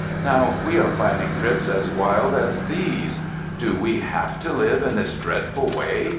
Now, we are planning trips as wild as these. Do we have to live in this dreadful way?